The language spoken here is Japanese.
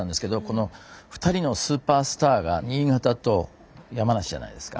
この２人のスーパースターが新潟と山梨じゃないですか。